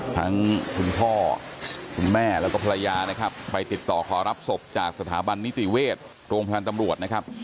คุณพ่อคุณแม่แล้วก็ภรรยานะครับไปติดต่อขอรับศพจากสถาบันนิติเวชโรงพยาบาลตำรวจนะครับ